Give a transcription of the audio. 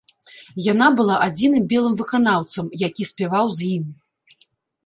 Яна была адзіным белым выканаўцам, які спяваў з ім.